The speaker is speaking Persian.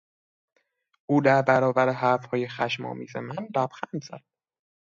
او در برابر حرفهای خشم آمیز من لبخند زد.